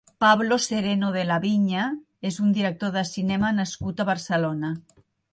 Pablo Sereno de la Viña és un director de cinema nascut a Barcelona.